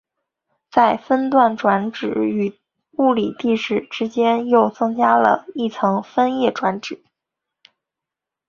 在分段转址与物理地址之间又增加了一层分页转址。